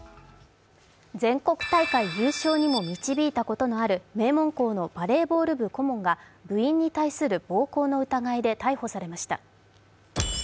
全国大会優勝にも導いたことのある名門校のバレーボール部顧問の男が部員に対する暴行の疑いで逮捕されました。